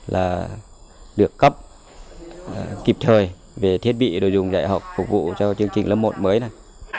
là được cấp kịp thời về thiết bị đồ dùng dạy học phục vụ cho chương trình lớp một mới này